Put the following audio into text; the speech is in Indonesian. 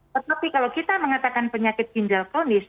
tetapi kalau kita mengatakan penyakit ginjal kronis